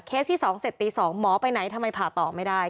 ที่๒เสร็จตี๒หมอไปไหนทำไมผ่าต่อไม่ได้